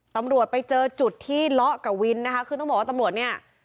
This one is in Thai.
ตำรวจไปเจอจุดที่เลาะกับวินนะคะคือต้องบอกว่าตำรวจเนี่ย